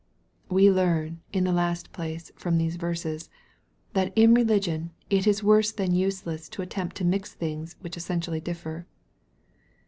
We learn, in the last place, from these verses, that in religion it is worse than useless to attempt to mix, things which essentially differ.